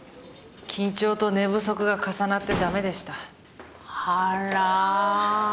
緊張と寝不足が重なって駄目でした。